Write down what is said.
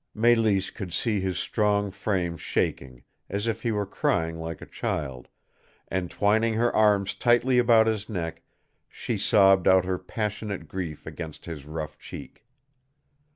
Mélisse could see his strong frame shaking, as if he were crying like a child; and twining her arms tightly about his neck, she sobbed out her passionate grief against his rough cheek.